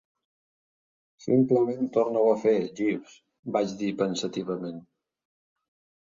"Simplement torna-ho a fer, Jeeves", vaig dir pensativament.